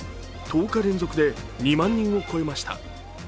１０日連続で２万人を超えました。